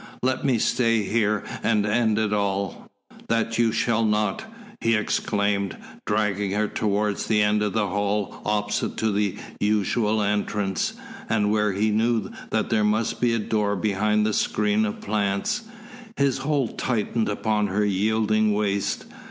"Let me stay here and end it all " "That you shall not!" he exclaimed, dragging her towards the end of the hall opposite to the usual entrance, and where he knew that there must be a door behind the screen of plants. His hold tightened upon her yielding waist.